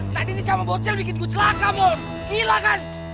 tadi nih sama bocel bikin gue celaka bang